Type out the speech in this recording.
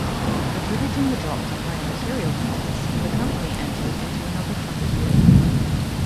Attributing the drop to higher material costs, the company entered into another troubled year.